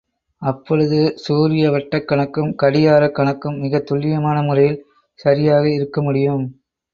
அப்பொழுது, சூரிய வட்டக் கணக்கும், கடிகாரக் கணக்கும் மிகத் துல்லியமான முறையில் சரியாக இருக்க முடியும்.